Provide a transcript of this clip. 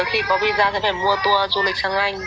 rồi khi có visa sẽ phải mua tour du lịch sang anh